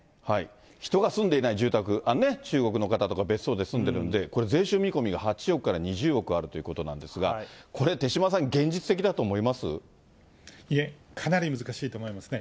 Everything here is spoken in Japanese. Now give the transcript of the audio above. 人が住んでいない住宅、中国の方とか別荘で住んでるんで、これ、税収見込みが８億から２０億あるということなんですが、これ、手いえ、かなり難しいと思いますね。